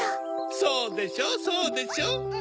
そうでしょそうでしょ！